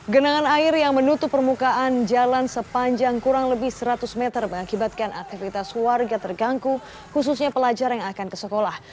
genangan air yang menutup permukaan jalan sepanjang kurang lebih seratus meter mengakibatkan aktivitas warga terganggu khususnya pelajar yang akan ke sekolah